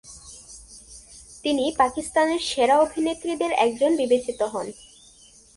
তিনি পাকিস্তানের সেরা অভিনেত্রীদের একজন বিবেচিত হন।